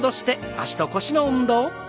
脚と腰の運動です。